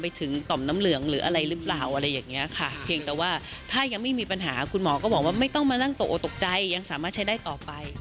ถึงต่อมน้ำเหลืองหรืออะไรหรือเปล่าอะไรอย่างเงี้ยค่ะเพียงแต่ว่าถ้ายังไม่มีปัญหาคุณหมอก็บอกว่าไม่ต้องมานั่งตกโอตกใจยังสามารถใช้ได้ต่อไป